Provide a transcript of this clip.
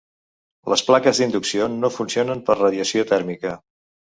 Les plaques d'inducció no funcionen per radiació tèrmica.